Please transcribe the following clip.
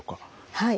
はい。